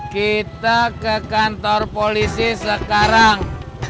kita ke kantor polisi sekarang